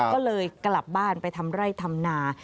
ก็เลยกลับบ้านไปทำไร่ทำนา